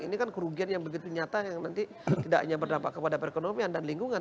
ini kan kerugian yang begitu nyata yang nanti tidak hanya berdampak kepada perekonomian dan lingkungan